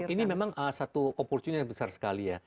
ini memang satu opportunity yang besar sekali ya